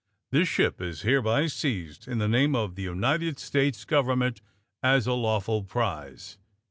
This ship is hereby seized, in the name of the United States government, as a law ful prize!"